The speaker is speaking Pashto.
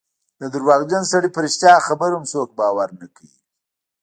د درواغجن سړي په رښتیا خبره هم څوک باور نه کوي.